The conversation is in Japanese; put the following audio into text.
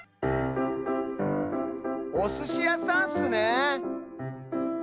おすしやさんスね！